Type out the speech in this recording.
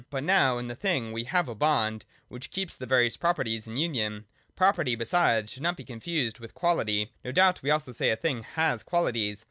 But now in the thing we have a bond which keeps the various properties in union. Property, besides, should not be confused with quality. No doubt, we also say, a thing has qualities.